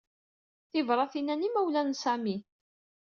Tibṛatin-a n yimawlan n Sami.